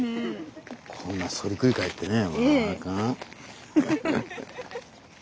こんな反りくり返ってねまかん。